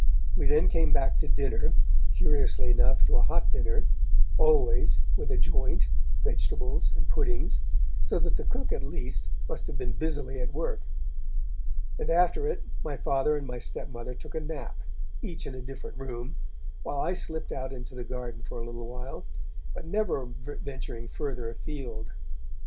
We then came back to dinner, curiously enough to a hot dinner, always, with a joint, vegetables and puddings, so that the cook at least must have been busily at work, and after it my Father and my stepmother took a nap, each in a different room, while I slipped out into the garden for a little while, but never venturing farther afield.